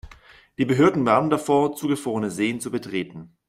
Die Behörden warnen davor, zugefrorene Seen zu betreten.